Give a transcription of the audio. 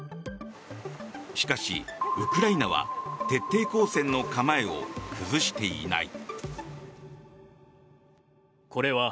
しかし、ウクライナは徹底抗戦の構えを崩していない。